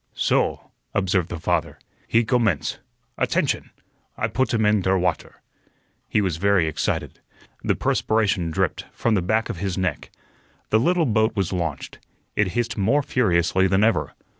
"Soh," observed the father, "he gommence. Attention! I put him in der water." He was very excited. The perspiration dripped from the back of his neck. The little boat was launched. It hissed more furiously than ever.